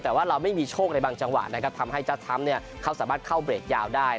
แต่ว่าเราไม่มีโชคในบางจังหวะนะครับทำให้เจ้าทรัมป์เขาสามารถเข้าเบรกยาวได้